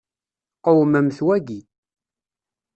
Qewmemt waki.